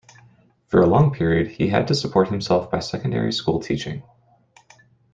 For a long period he had to support himself by secondary-school teaching.